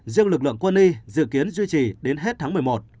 riêng lực lượng quân y dự kiến duy trì đến hết tháng một mươi một